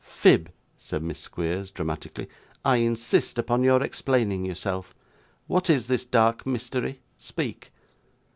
'Phib,' said Miss Squeers dramatically, 'I insist upon your explaining yourself. What is this dark mystery? Speak.